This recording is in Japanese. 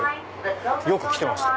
よく来てました。